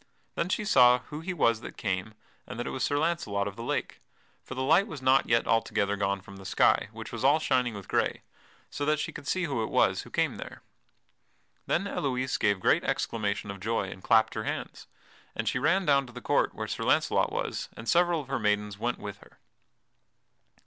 Then she saw who he was that came, and that it was Sir Launcelot of the Lake. For the light was not yet altogether gone from the sky, which was all shining with gray, so that she could see who it was who came there. Then Elouise gave great exclamation of joy, and clapped her hands. And she ran down to the court where Sir Launcelot was, and several of her maidens went with her.